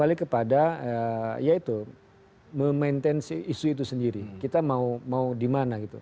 ini ada apa